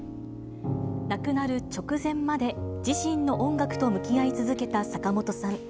亡くなる直前まで、自身の音楽と向き合い続けた坂本さん。